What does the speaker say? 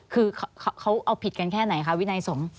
คือเขาเอาผิดกันแค่ไหนคะวินัยสงฆ์